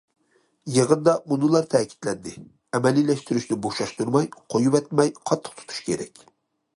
يىغىندا مۇنۇلار تەكىتلەندى: ئەمەلىيلەشتۈرۈشنى بوشاشتۇرماي، قويۇۋەتمەي قاتتىق تۇتۇش كېرەك.